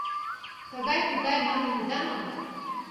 «Тыгай-тугай» манын ида ман: